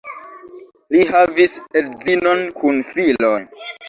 Li havis edzinon kun filoj.